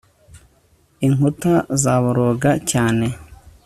inkuta zaraboroga cyane